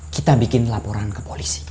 kita bikin laporan ke polisi